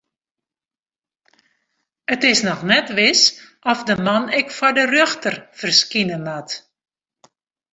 It is noch net wis oft de man ek foar de rjochter ferskine moat.